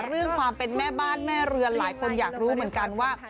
เรื่องความเป็นแม่บ้านแม่เรือนหลายคนอยากรู้เหมือนกันว่า